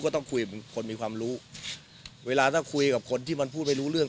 ต้องคุยเหมือนคนมีความรู้เวลาถ้าคุยกับคนที่มันพูดไม่รู้เรื่อง